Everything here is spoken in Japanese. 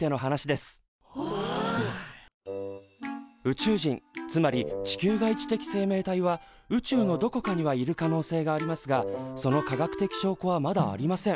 宇宙人つまり地球外知的生命体は宇宙のどこかにはいる可能性がありますがその科学的しょうこはまだありません。